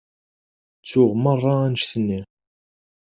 Ttuɣ merra annect-nni.